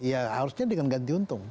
ya harusnya dengan ganti untung